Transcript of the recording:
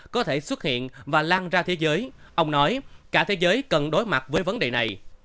có thể xuất hiện và lan ra thế giới ông nói cả thế giới cần đối mặt với vấn đề này